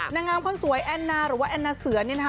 นางงามคนสวยแอนนาหรือว่าแอนนาเสือนี่นะคะ